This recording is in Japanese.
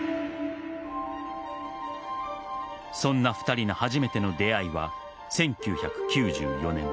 そんな２人の初めての出会いは１９９４年。